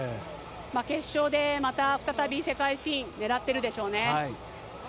決勝でまた再び世界新を狙っているでしょうね。